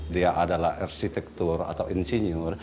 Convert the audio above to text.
dia adalah arsitektur atau insinyur